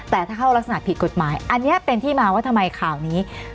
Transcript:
แต่ถ้าเข้ารักษณะผิดกฎหมายอันนี้เป็นที่มาว่าทำไมข่าวนี้